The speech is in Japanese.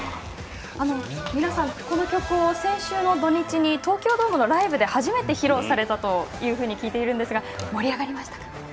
皆さん、この曲を先週の土日に東京ドームのライブで初めて披露されたと聞いているんですが盛り上がりましたか？